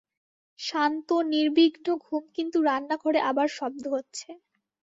শান্ত নির্বিঘ্ন ঘুম কিন্তু রান্নাঘরে আবার শব্দ হচ্ছে।